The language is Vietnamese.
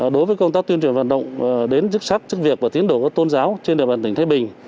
đối với công tác tuyên truyền vận động đến chức sắc chức việc và tín đồ có tôn giáo trên đề bàn tỉnh thái bình